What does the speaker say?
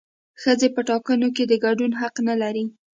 ښځې په ټاکنو کې د ګډون حق نه لري